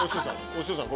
お師匠さん